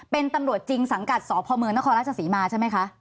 เป็นตำรวจจริงสังกัดสพเมืองนครราชศรีมาใช่ไหมคะ